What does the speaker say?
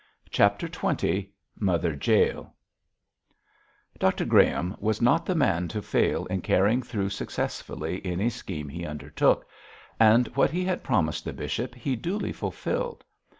CHAPTER XX MOTHER JAEL Doctor Graham was not the man to fail in carrying through successfully any scheme he undertook, and what he had promised the bishop he duly fulfilled.